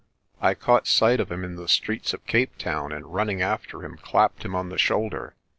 I caught sight of him in the streets of Cape Town and run ning after him, clapped him on the shoulder.